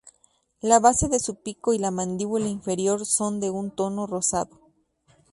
La base de su pico y la mandíbula inferior son de un tono rosado.